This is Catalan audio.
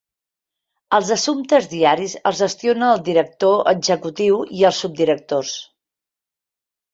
Els assumptes diaris els gestionen el director executiu i els subdirectors.